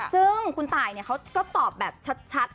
ซึ่งคุณตายเขาก็ตอบแบบชัด